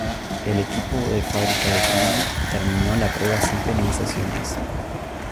El equipo de fábrica de Triumph terminó la prueba sin penalizaciones.